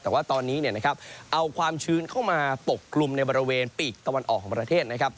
แต่ว่าตอนนี้เอาความชื้นเข้ามาปกกลุ่มในบริเวณปีกตะวันออกของประเทศนะครับ